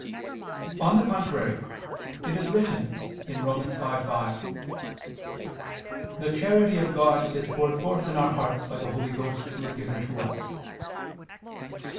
On the contrary, It is written (Rom. 5:5): "The charity of God is poured forth in our hearts by the Holy Ghost, Who is given to us."